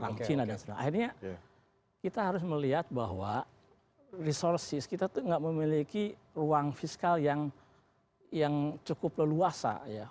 akhirnya kita harus melihat bahwa resources kita tuh nggak memiliki ruang fiskal yang cukup leluasa